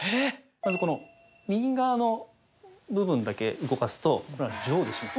まずこの右側の部分だけ動かすとこれが上下します。